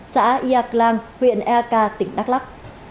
xã yạc lan huyện eka tỉnh đắk lắk